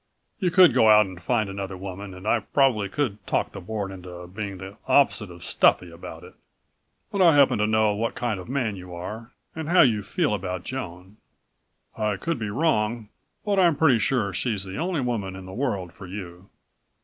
You could go out and find another woman and I probably could talk the Board into being the opposite of stuffy about it. But I happen to know what kind of man you are, and how you feel about Joan. I could be wrong, but I'm pretty sure she's the only woman in the world for you."